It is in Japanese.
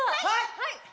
はい！